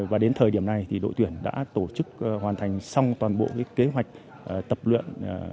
và đến thời điểm này thì đội tuyển đã tổ chức hoàn thành xong toàn bộ kế hoạch tập luyện